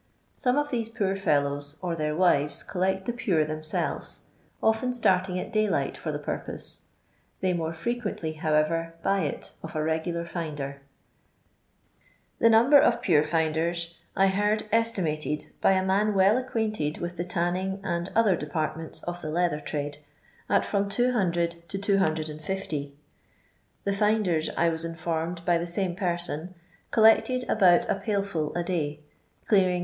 Some of these poor fellows or their wives collect the pure themselves, often starting at daylight for the purpose ; they more frequently, however, buy it of a regular finder. The number of pure finders I heard estimated, by a man well acqiuiinted with the tanning and other departments of the leather trade, at from 200 to 250. The finders, I was informed by the same person, collected about a pail full a day, clear ing 6«.